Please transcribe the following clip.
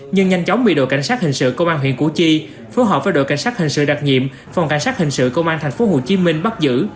nhưng nhanh chóng bị đội cảnh sát hình sự công an huyện củ chi phối hợp với đội cảnh sát hình sự đặc nhiệm phòng cảnh sát hình sự công an tp hcm bắt giữ